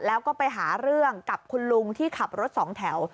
แล้วก็ไปหาเรื่องกับคุณลุงที่ขับรถสองแถว